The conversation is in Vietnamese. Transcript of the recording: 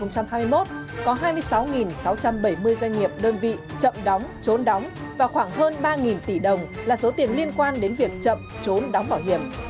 có hai mươi sáu sáu trăm bảy mươi doanh nghiệp đơn vị chậm đóng trốn đóng và khoảng hơn ba tỷ đồng là số tiền liên quan đến việc chậm trốn đóng bảo hiểm